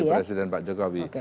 di presiden pak jokowi